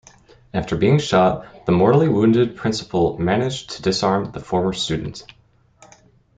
After being shot, the mortally wounded principal managed to disarm the former student.